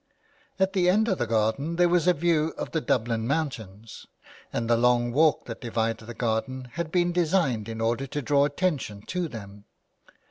At the end of the garden there was a view of the Dublin mountains, and the long walk that divided the garden had been designed in order to draw attention to them.